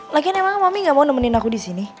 lagian emang mami gak mau nemenin aku disini